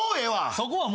そこは「も」